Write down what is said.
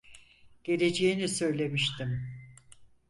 Geleceğini söylemiştim.